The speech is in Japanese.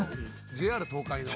ＪＲ東海の。